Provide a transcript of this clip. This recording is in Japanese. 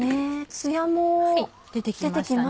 ツヤも出て来ましたね。